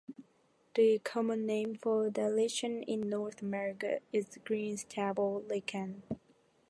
The common name for the lichen in North America is "green stubble lichen".